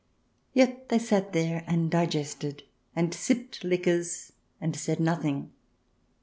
Yet they sat there and digested, and sipped liqueurs, and said nothing.